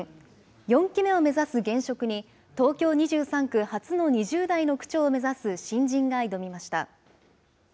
４期目を目指す現職に東京２３区初の２０代の区長を目指す新人が挑みました。